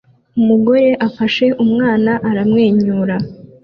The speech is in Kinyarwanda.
Umugore afashe umwana aramwenyura